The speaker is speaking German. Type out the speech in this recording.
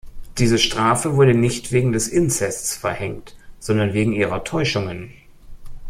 Diese Strafe wurde nicht wegen des Inzests verhängt, sondern wegen ihrer Täuschungen.